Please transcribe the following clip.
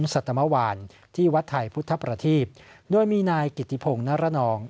สัตมวานที่วัดไทยพุทธประทีพโดยมีนายกิติพงศ์นรนอง